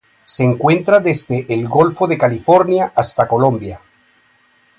Se encuentra desde el Golfo de California hasta Colombia.